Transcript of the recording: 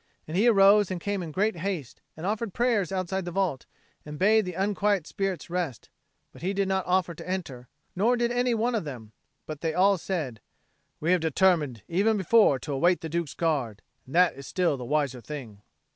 And he arose and came in great haste, and offered prayers outside the vault, and bade the unquiet spirits rest; but he did not offer to enter, nor did any one of them; but they all said, "We had determined even before to await the Duke's Guard, and that is still the wiser thing."